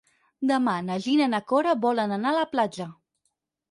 Demà na Gina i na Cora volen anar a la platja.